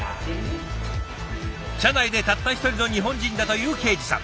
社内でたった一人の日本人だという恵司さん。